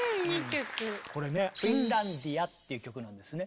これね「フィンランディア」っていう曲なんですね。